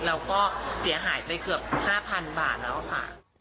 เราก็เสียหายไปเกือบ๕๐๐๐บาทแล้วค่ะ